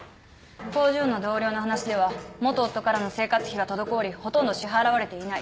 工場の同僚の話では元夫からの生活費が滞りほとんど支払われていない。